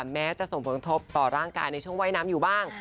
แม้จะส่งผลทบต่อร่างกายในช่วงว่ายน้ำอยู่บ้าง